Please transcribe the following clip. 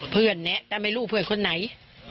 เพื่อนเนี่ยแต่ไม่รู้เพื่อนคนไหน